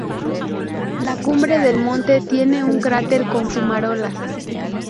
La cumbre del monte tiene un cráter con fumarolas.